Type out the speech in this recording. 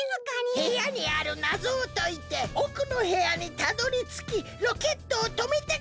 へやにあるなぞをといておくのへやにたどりつきロケットをとめてください！